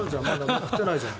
めくってないじゃん。